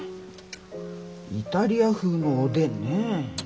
イタリア風のおでんねぇ。